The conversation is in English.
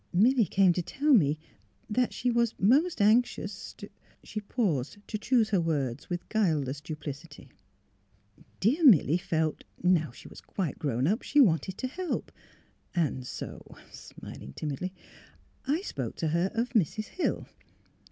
" Milly came to tell me that she was most anxious to " She paused to choose her words with guileless duplicity. " Dear Milly felt that now she was quite grown up she wanted to help. And so "— smiling timidly —" I spoke to her of — Mrs. Hill.